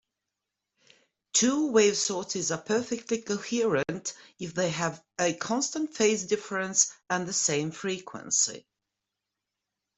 Two-wave sources are perfectly coherent if they have a constant phase difference and the same frequency.